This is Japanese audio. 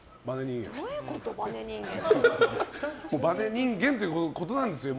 バネ人間ということなんですよ。